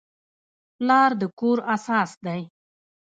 پلار د کور اساس دی.